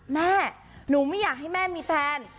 แม่หนูไม่อยากให้แม่มีแฟน